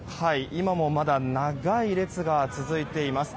今もまだ長い列が続いています。